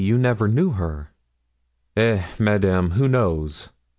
You never knew her." "Eh, madame, who knows?"